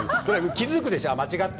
気付くでしょ！